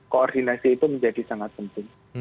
koordinasi itu menjadi sangat penting